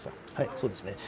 そうですね。